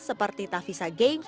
seperti tavisa games